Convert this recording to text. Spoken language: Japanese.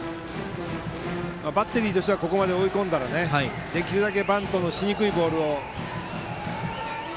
バッテリーとしてはここまで追い込んだらねできるだけバントのしにくいボールを。